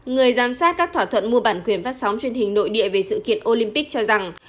người giám sát các thỏa thuận mua bản quyền phát sóng truyền hình nội địa về sự kiện olympic cho rằng